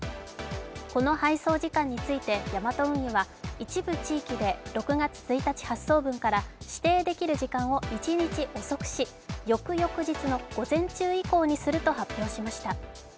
この配送時間について、ヤマト運輸は一部地域で６月１日発送分から指定できる時間を一日遅くし翌々日の午前中以降にすると発表しました。